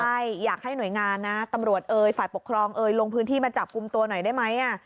ใช่อยากให้หน่วยงานนะตำรวจเอ่ยฝ่ายปกครองเอ่ยลงพื้นที่มาจับกลุ่มตัวหน่อยได้ไหม